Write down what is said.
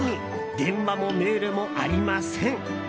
電話もメールもありません。